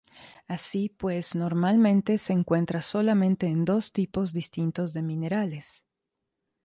Así pues normalmente se encuentra solamente en dos tipos distintos de minerales.